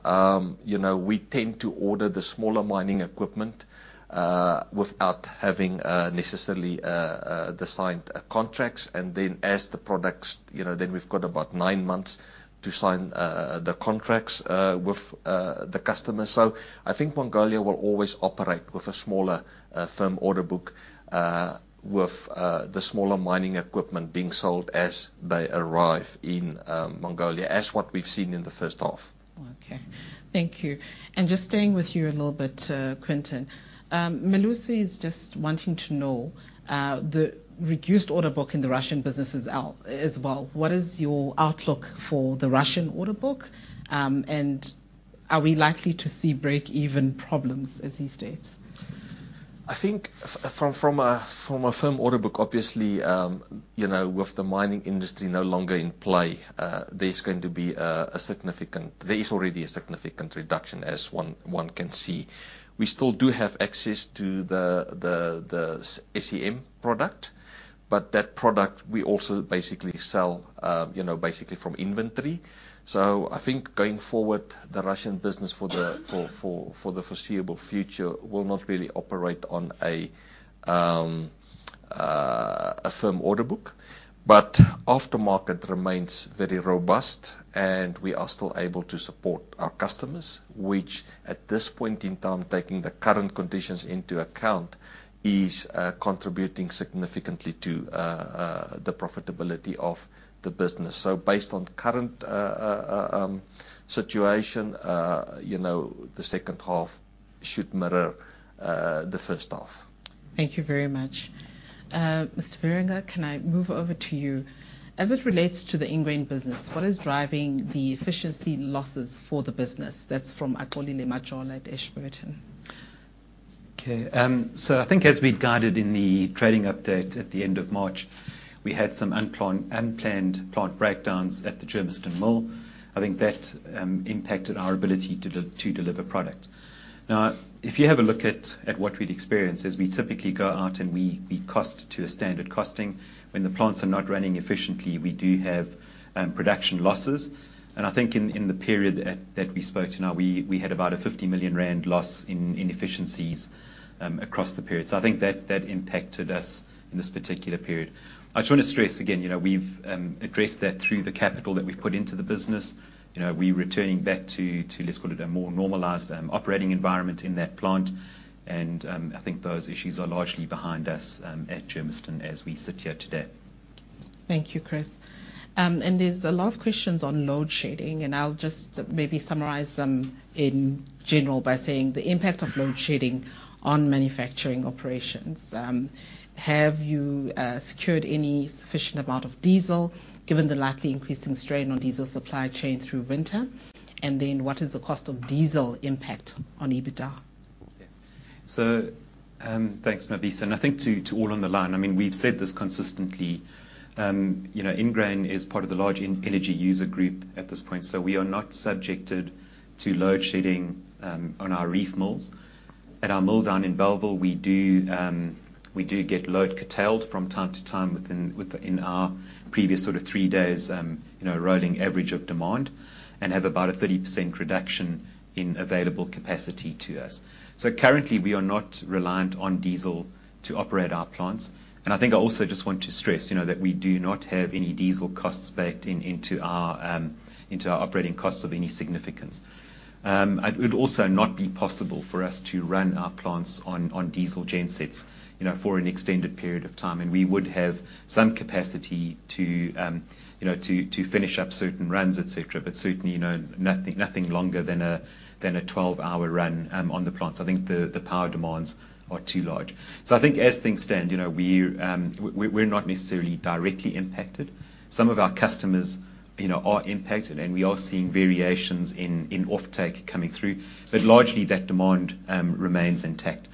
you know, we tend to order the smaller mining equipment without having necessarily the signed contracts. And then as the products, you know, then we've got about 9 months to sign the contracts with the customers. So I think Mongolia will always operate with a smaller firm order book with the smaller mining equipment being sold as they arrive in Mongolia, as what we've seen in the first half. Okay. Thank you. Just staying with you a little bit, Quinton. Melusi is just wanting to know, the reduced order book in the Russian business as well. What is your outlook for the Russian order book, and are we likely to see break-even problems as he states? I think from a firm order book, obviously, you know, with the mining industry no longer in play, There is already a significant reduction, as one can see. We still do have access to the SEM product. That product we also basically sell, you know, basically from inventory. I think going forward, the Russian business for the foreseeable future will not really operate on a firm order book. Aftermarket remains very robust, and we are still able to support our customers, which at this point in time, taking the current conditions into account, is contributing significantly to the profitability of the business. Based on current situation, you know, the second half should mirror the first half. Thank you very much. Mr. Wierenga, can I move over to you? As it relates to the Ingrain business, what is driving the efficiency losses for the business? That's from Akole Majola at Ashburton. I think as we guided in the trading update at the end of March, we had some unplanned plant breakdowns at the Germiston mill. I think that impacted our ability to deliver product. Now, if you have a look at what we'd experienced, as we typically go out and we cost to a standard costing. When the plants are not running efficiently, we do have production losses. I think in the period that we spoke to now, we had about a 50 million rand loss in inefficiencies across the period. I think that impacted us in this particular period. I just wanna stress again, you know, we've addressed that through the capital that we've put into the business. You know, we're returning back to let's call it a more normalized operating environment in that plant. I think those issues are largely behind us at Germiston as we sit here today. Thank you, Chris. There's a lot of questions on load shedding, and I'll just maybe summarize them in general by saying the impact of load shedding on manufacturing operations. Have you secured any sufficient amount of diesel, given the likely increasing strain on diesel supply chain through winter? What is the cost of diesel impact on EBITDA? Thanks, Mabisa, and I think to all on the line, I mean, we've said this consistently. You know, Ingrain is part of the large energy user group at this point, so we are not subjected to load shedding on our reef mills. At our mill down in Bellville, we do, we do get load curtailed from time to time within our previous sort of 3 days, you know, rolling average of demand, and have about a 30% reduction in available capacity to us. Currently, we are not reliant on diesel to operate our plants. I think I also just want to stress, you know, that we do not have any diesel costs baked in into our operating costs of any significance. It would also not be possible for us to run our plants on diesel gensets, you know, for an extended period of time, and we would have some capacity to, you know, to finish up certain runs, et cetera. Certainly, you know, nothing longer than a 12-hour run on the plants. I think the power demands are too large. I think as things stand, you know, we're not necessarily directly impacted. Some of our customers, you know, are impacted, and we are seeing variations in offtake coming through. Largely that demand remains intact.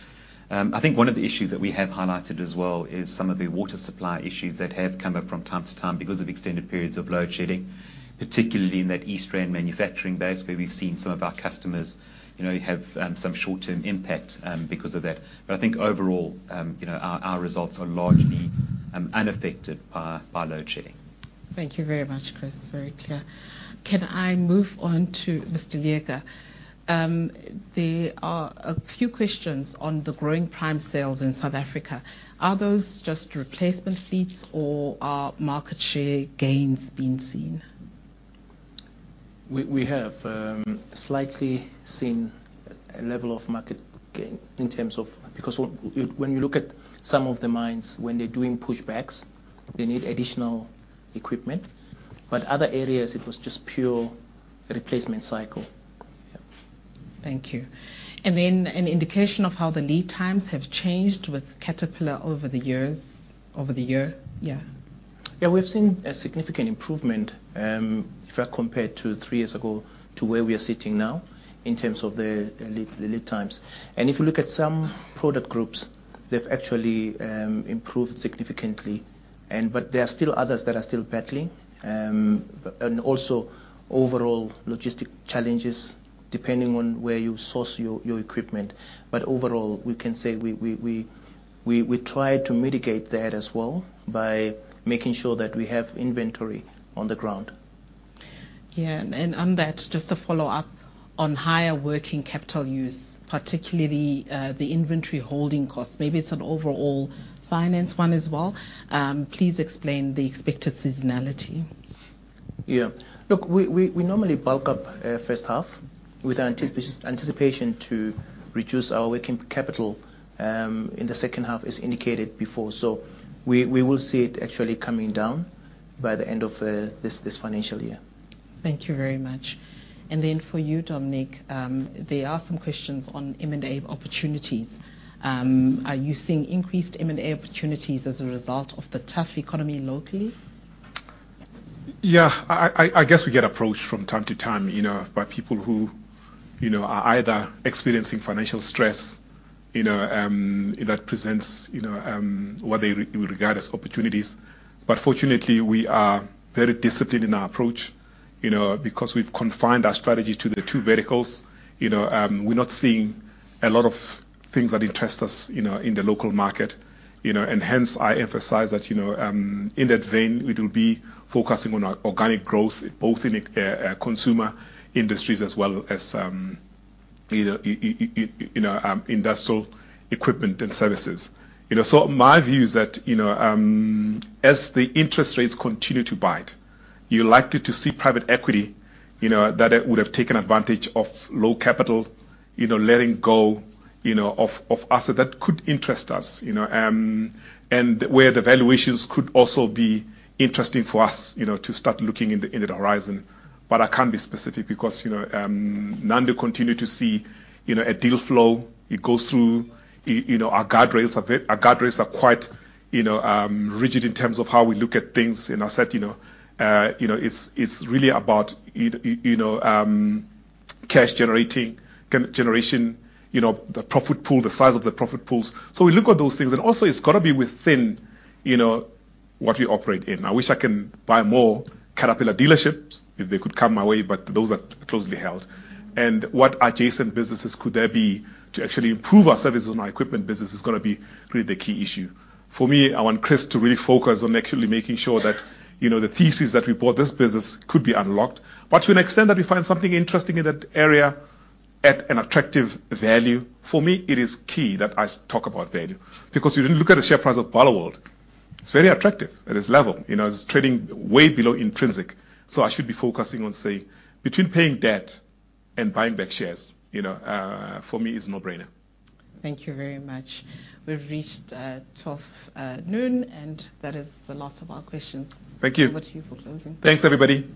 I think one of the issues that we have highlighted as well is some of the water supply issues that have come up from time to time because of extended periods of load shedding, particularly in that East Rand manufacturing base, where we've seen some of our customers, you know, have, some short-term impact, because of that. I think overall, you know, our results are largely unaffected by load shedding. Thank you very much, Chris. Very clear. Can I move on to Mr. Leeka? There are a few questions on the growing prime sales in South Africa. Are those just replacement fleets or are market share gains being seen? We have slightly seen a level of market gain. When you look at some of the mines, when they're doing pushbacks, they need additional equipment, but other areas it was just pure replacement cycle. Yeah. Thank you. An indication of how the lead times have changed with Caterpillar over the years, over the year? Yeah. Yeah, we've seen a significant improvement, if I compare to three years ago to where we are sitting now in terms of the lead times. If you look at some product groups, they've actually improved significantly, but there are still others that are still battling. Also overall logistic challenges, depending on where you source your equipment. Overall, we can say we try to mitigate that as well by making sure that we have inventory on the ground. Yeah. On that, just to follow up on higher working capital use, particularly, the inventory holding costs. Maybe it's an overall finance one as well. Please explain the expected seasonality. Look, we normally bulk up first half with anticipation to reduce our working capital in the second half as indicated before. We will see it actually coming down by the end of this financial year. Thank you very much. For you, Dominic, there are some questions on M&A opportunities. Are you seeing increased M&A opportunities as a result of the tough economy locally? Yeah. I guess we get approached from time to time, you know, by people who, you know, are either experiencing financial stress, you know, that presents, you know, what they regard as opportunities. Fortunately, we are very disciplined in our approach, you know. Because we've confined our strategy to the two verticals, you know, we're not seeing a lot of things that interest us, you know, in the local market, you know. Hence I emphasize that, you know, in that vein, we will be focusing on our organic growth both in Consumer Industries as well as in, you know, Industrial Equipment and Services, you know. My view is that, you know, as the interest rates continue to bite, you're likely to see private equity, you know, that would have taken advantage of low capital, you know, letting go, you know, of asset. That could interest us, you know, and where the valuations could also be interesting for us, you know, to start looking in the, in the horizon. I can't be specific because, you know, Nando continue to see, you know, a deal flow. It goes through, you know, our guardrails a bit. Our guardrails are quite, you know, rigid in terms of how we look at things. I said, you know, it's really about, you know, cash generating, generation, you know, the profit pool, the size of the profit pools. We look at those things, and also it's got to be within, you know, what we operate in. I wish I can buy more Caterpillar dealerships if they could come my way, but those are closely held. What adjacent businesses could there be to actually improve our services on our equipment business is gonna be really the key issue. For me, I want Chris to really focus on actually making sure that, you know, the thesis that we bought this business could be unlocked. To an extent that we find something interesting in that area at an attractive value, for me, it is key that I talk about value. If you look at the share price of Barloworld, it's very attractive at this level. You know, it's trading way below intrinsic. I should be focusing on, say, between paying debt and buying back shares, you know, for me is a no-brainer. Thank you very much. We've reached 12 noon, and that is the last of our questions. Thank you. Over to you for closing. Thanks, everybody.